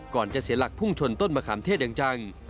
จะเสียหลักพุ่งชนต้นมะขามเทศอย่างจัง